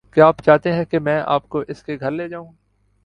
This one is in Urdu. کیا آپ چاہتے ہیں کہ میں آپ کو اس کے گھر لے جاؤں؟